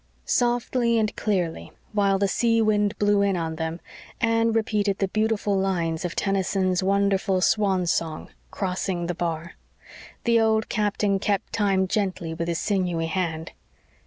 Softly and clearly, while the seawind blew in on them, Anne repeated the beautiful lines of Tennyson's wonderful swan song "Crossing the Bar." The old captain kept time gently with his sinewy hand.